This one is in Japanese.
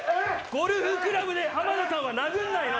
ゴルフクラブで浜田さんは殴んないよ。